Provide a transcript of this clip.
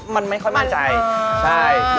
มันไม่ค่อยมั่นใจใช่